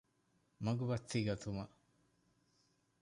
މަގުބައްތި ގަތުމަށް